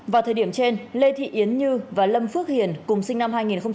vào thời điểm trên lê thị yến như và lâm phước hiền cùng sinh năm hai nghìn